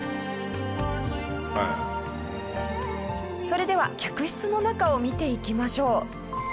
それでは客室の中を見ていきましょう。